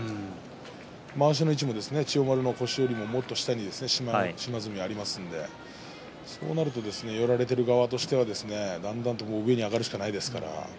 まわしの位置も千代丸の腰よりももっと下に島津海、ありますのでそうなると寄られている側としてはだんだんと上に上がるしかないですから。